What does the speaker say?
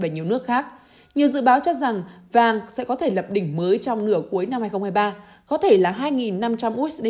nhiều dự báo cho rằng vàng sẽ có thể lập đỉnh mới trong nửa cuối năm hai nghìn hai mươi ba có thể là hai năm trăm linh usd